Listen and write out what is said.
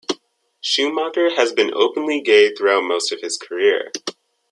Schumacher has been openly gay throughout most of his career.